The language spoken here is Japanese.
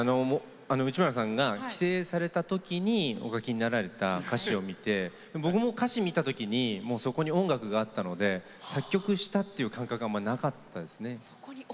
内村さんが帰省されたときにお書きになられた歌詞を見て僕も歌詞を見たときにそこに音楽があったので作曲したっていう感覚がなかったですね。